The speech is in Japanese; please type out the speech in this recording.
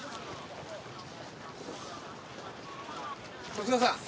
十津川さん。